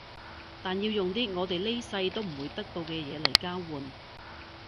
但要用啲我哋呢世都唔會得到嘅嘢嚟交換